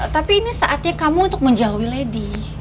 tapi ini saatnya kamu untuk menjauhi lady